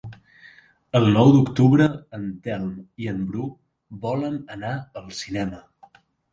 El nou d'octubre en Telm i en Bru volen anar al cinema.